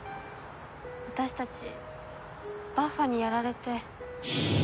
私たちバッファにやられて。